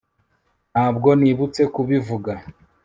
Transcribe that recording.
ntabwo nibutse kubivuga